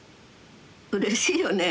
うれしいよね。